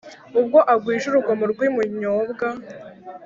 ubwo agwije urugomo rw'i munyobwa,